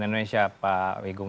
selamat siang pak wigung